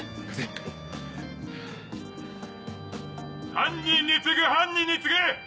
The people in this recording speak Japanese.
犯人に告ぐ犯人に告ぐ！